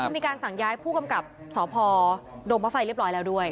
คือมีการสั่งย้ายผู้กำกับสพดงมไฟเรียบร้อยแล้วด้วย